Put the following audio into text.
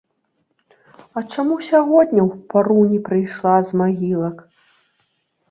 А чаму сягоння ў пару не прыйшла з магілак?